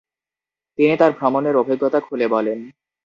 তিনি তার ভ্রমনের অভিজ্ঞতা খুলে বলেন।